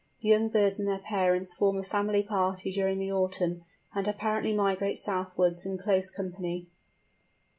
The young birds and their parents form a family party during the autumn, and apparently migrate southwards in close company.